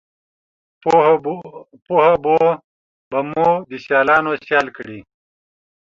پوهه به مو دسیالانوسیال کړي